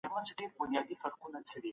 کورني ستونزې د کار په وخت نه حل کېږي.